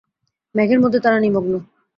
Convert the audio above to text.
মেঘের মধ্যে তারা নিমগ্ন।